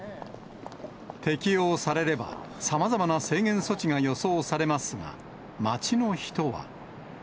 適用されれば、さまざまな制限措置が予想されますが、街の人は。